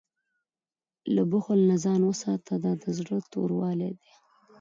له بخل نه ځان وساته، دا د زړه توروالی دی.